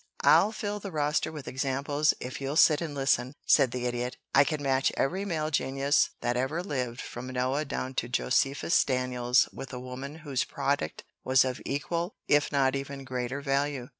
"I'll fill the roster with examples if you'll sit and listen," said the Idiot. "I can match every male genius that ever lived from Noah down to Josephus Daniels with a woman whose product was of equal if not even greater value.